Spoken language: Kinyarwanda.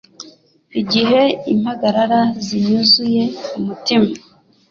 igihe impagarara zinyuzuye umutima